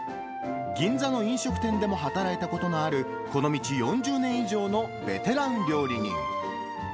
銀座の飲食店でも働いたことのあるこの道４０年以上のベテラン料理人。